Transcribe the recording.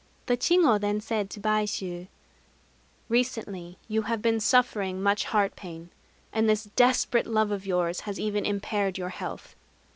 The chigo then said to Baishû: "Recently you have been suffering much heart pain; and this desperate love of yours has even impaired your health.